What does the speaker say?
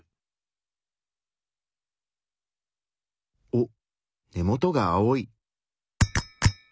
おっ根元が青い。